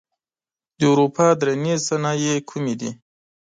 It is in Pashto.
د اروپا درنې صنایع کومې دي؟